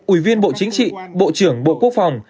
ủy viên bộ chính trị bộ trưởng bộ quốc phòng